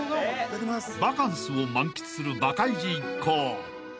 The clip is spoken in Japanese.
［バカンスを満喫するバカイジ一行］